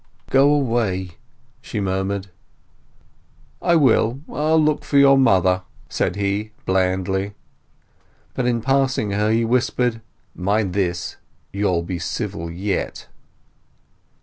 "Go away!" she murmured. "I will—I'll look for your mother," said he blandly. But in passing her he whispered: "Mind this; you'll be civil yet!"